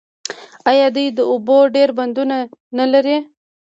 آیا دوی د اوبو ډیر بندونه نلري؟